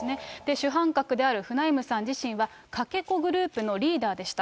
主犯格であるフナイムさん自身は、かけ子グループのリーダーでした。